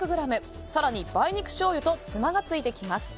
更に梅肉しょうゆとつまがついてきます。